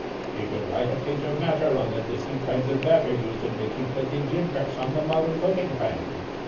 He could write a page of matter on the different kinds of batter used in making flinty gim cracks on the modern cooking plan.